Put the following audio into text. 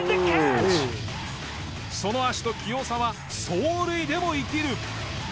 その足と器用さは走塁でも生きる。